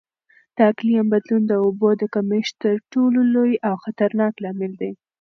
د اقلیم بدلون د اوبو د کمښت تر ټولو لوی او خطرناک لامل دی.